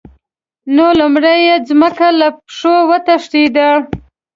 نو لومړی یې ځمکه له پښو وتښتېده.